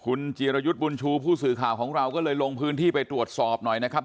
คุณจิรยุทธ์บุญชูผู้สื่อข่าวของเราก็เลยลงพื้นที่ไปตรวจสอบหน่อยนะครับ